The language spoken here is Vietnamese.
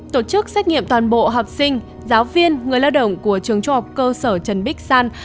tổ chức xét nghiệm toàn bộ học sinh giáo viên người lao động của trường trung học cơ sở trần bích san